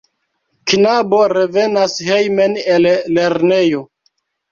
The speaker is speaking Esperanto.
Knabo revenas hejmen el lernejo.